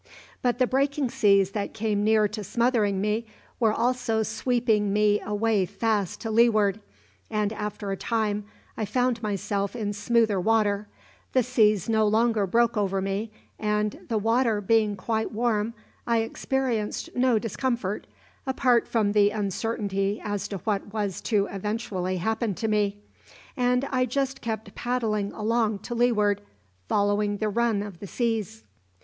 But the breaking seas that came near to smothering me were also sweeping me away fast to leeward, and after a time I found myself in smoother water, the seas no longer broke over me, and, the water being quite warm, I experienced no discomfort, apart from the uncertainty as to what was to eventually happen to me, and I just kept paddling along to leeward, following the run of the seas.